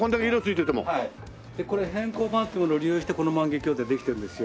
これ偏光板っていうものを利用してこの万華鏡ってできてるんですよ。